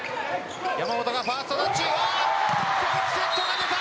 山本がファーストタッチ。